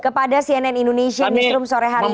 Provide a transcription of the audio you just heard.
kepada cnn indonesia di room sore hari ini